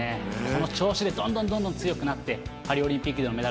この調子でどんどんどんどん強くなって、パリオリンピックでのメ